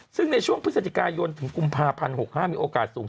ซึ่งในช่วงพฤศจิกายนถึงกุมภาพันธ์๖๕มีโอกาสสูง